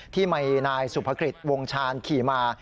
ที่มีนายสุภกิจวงชาญขี่มา